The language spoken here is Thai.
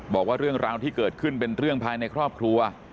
บอกว่าเรื่องราวที่เกิดขึ้นเป็นเรื่องภายในครอบครัว